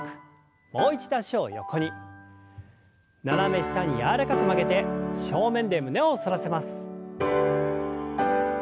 斜め下に柔らかく曲げて正面で胸を反らせます。